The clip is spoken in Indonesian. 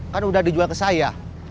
kan udah dijual ke saya